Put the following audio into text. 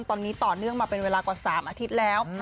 ตอนนี้ต่อเนื่องมาเป็นเวลากว่า๓อาทิตย์แล้ว